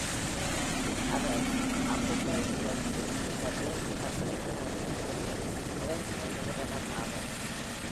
அவர் ஆபெரைஸ்ட்வைத்தில் உள்ள வேல்ஸ் பல்கலைக்கழக கல்லூரியின் முதன்மை நிறுவனர் ஆவார்.